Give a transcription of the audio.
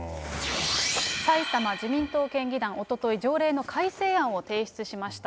埼玉自民党県議団、おととい、条例の改正案を提出しました。